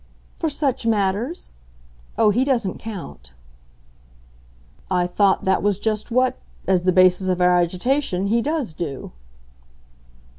"For such matters? Oh, he doesn't count." "I thought that was just what as the basis of our agitation he does do!"